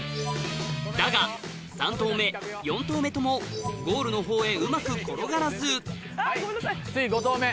だが３投目４投目ともゴールの方へうまく転がらず次５投目。